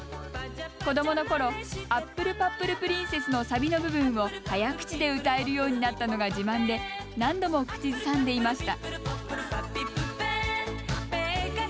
子どものころ「アップルパップルプリンセス」のサビの部分を早口で歌えるようになったのが自慢で何度も口ずさんでいました。